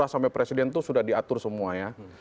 sampai presiden itu sudah diatur semua ya